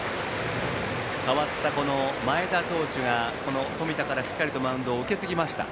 代わった前田投手が冨田からしっかりマウンドを受け継ぎました。